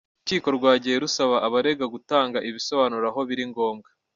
Urukiko rwagiye rusaba abarega gutanga ibisobanuro aho biri ngombwa.